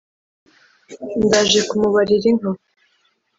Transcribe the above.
ndaje kumubarira inka